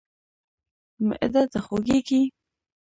معده د خوږیږي؟